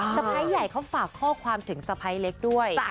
สะพ้ายใหญ่เขาฝากข้อความถึงสะพ้ายเล็กด้วย